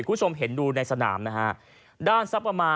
คุณผู้ชมเห็นดูในสนามนะฮะ